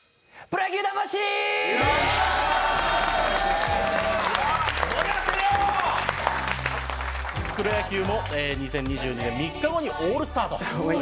プロ野球も２０２２年３日後にオールスターという事で。